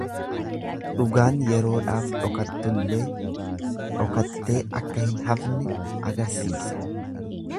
Dhugaan yeroodhaaf dhokattullee dhokattee akka hin hafne agarsiisa.